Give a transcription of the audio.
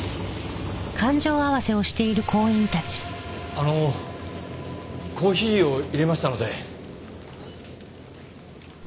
あのコーヒーを淹れましたので。